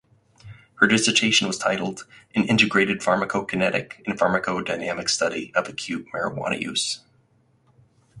Her dissertation was titled "An integrated pharmacokinetic and pharmacodynamic study of acute marijuana use".